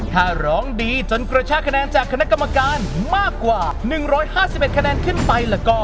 ถ้าร้องดีจนกระชากคะแนนจากคณะกรรมการมากกว่า๑๕๑คะแนนขึ้นไปแล้วก็